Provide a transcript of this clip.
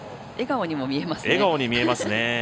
笑顔にも見えますね。